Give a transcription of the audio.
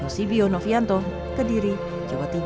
susibio novianto kediri jawa timur